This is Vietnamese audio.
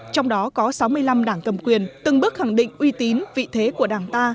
trong đó có sáu mươi năm đảng cầm quyền từng bước khẳng định uy tín vị thế của đảng ta